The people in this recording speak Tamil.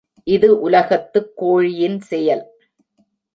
இது உலகத்துக் கோழியின் செயல்.